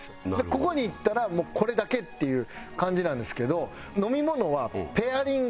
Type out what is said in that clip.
ここに行ったらもうこれだけっていう感じなんですけど飲み物はペアリング。